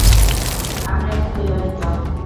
আমরা এখন বিবাহিত।